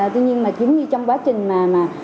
tuy nhiên mà chính như trong quá trình mà